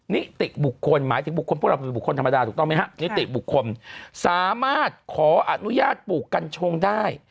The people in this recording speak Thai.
นิติบุคคลหมายถึงบุคคลพวกเราเป็นบุคคลธรรมดาถูกต้องไหมฮะนิติบุคคลสามารถขออนุญาตปลูกกัญชงได้